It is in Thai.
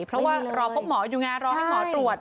เพราะว่ารอพบหมออยู่ไงรอให้หมอตรวจ